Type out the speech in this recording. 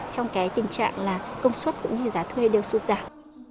cái tình trạng là công suất cũng như giá thuê đều suốt giảm